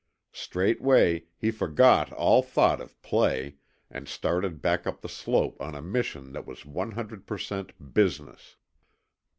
Straightway he forgot all thought of play and started back up the slope on a mission that was 100 per cent. business.